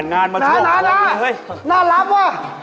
นานมาช่วยสุดท้ายเฮ่ยเฮ่ยนานน่ารับว่ะ